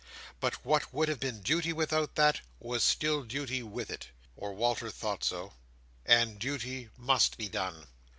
But what would have been duty without that, was still duty with it—or Walter thought so—and duty must be done.